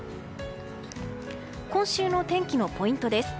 今週の天気のポイントです。